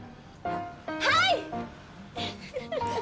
はい！